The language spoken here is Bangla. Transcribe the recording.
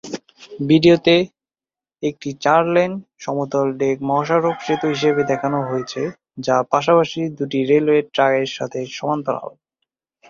ভিডিওতে একটি চার-লেন, সমতল ডেক মহাসড়ক সেতু হিসাবে দেখানো হয়েছে যা পাশাপাশি দুটি রেলওয়ের ট্র্যাক সাথে সমান্তরাল।